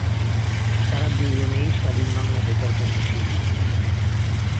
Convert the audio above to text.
তারা দুজনেই স্বাধীন বাংলা বেতার কেন্দ্রের শিল্পী ছিলেন।